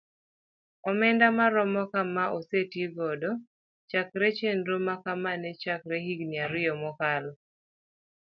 Omenda maromo kamano oseti godo chakre chenro makama ne chakre higni ariyo mokalo.